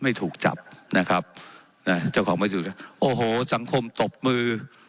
ไม่ถูกจับนะครับนะเจ้าของไม่ถูกโอ้โหสังคมตบมือ